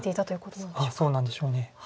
そうなんでしょう。